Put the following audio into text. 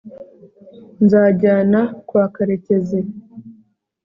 nzajyana kwa karekezi